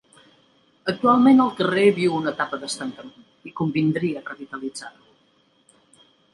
Actualment el carrer viu una etapa d'estancament i convindria revitalitzar-lo.